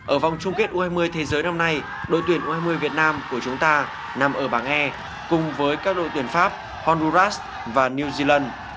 ở vòng chung kết u hai mươi thế giới năm nay đội tuyển u hai mươi việt nam của chúng ta nằm ở bảng e cùng với các đội tuyển pháp honduras và new zealand